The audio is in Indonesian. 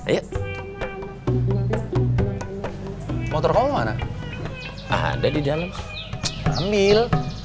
ayo motor kamu mana ada di dalam ambil